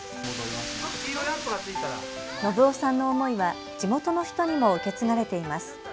信男さんの思いは地元の人にも受け継がれています。